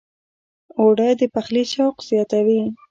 اوړه د پخلي شوق زیاتوي